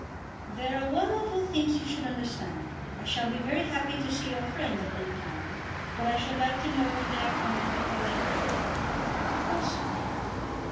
"There are one or two things you should understand. I shall be very happy to see your friends at any time, but I shall like to know when they are coming before they come." "Of course, sir."